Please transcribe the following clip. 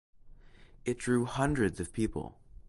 It drew hundreds of people.